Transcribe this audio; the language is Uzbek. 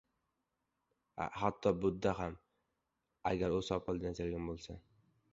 • Hatto Budda ham, agar u sopoldan yasalgan bo‘lsa.